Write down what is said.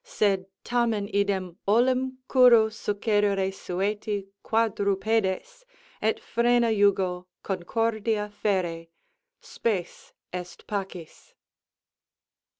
Sed tamen idem olim curru succedere sueti Quadrupedes, et frena jugo concordia ferre; Spes est pacis.